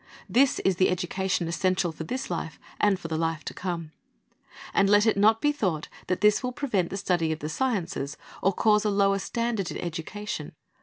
This is the education essential for this life and for the life to come. And let it not be thought that this will prev^ent the study of the sciences, or cause a lower standard in educa tion.